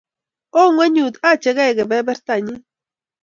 Oo ngwonyut ache kei kebebertanyi